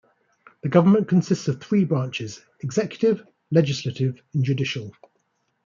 The Government consists of three branches: executive, legislative and judicial.